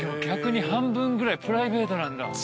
逆に半分ぐらいプライベートなんだ。